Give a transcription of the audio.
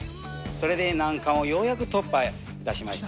それで難関をようやく突破いたしまして、